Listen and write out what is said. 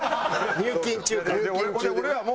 「入金中」か。